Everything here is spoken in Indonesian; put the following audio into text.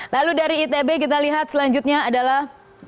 lalu dari itb kita lihat selanjutnya adalah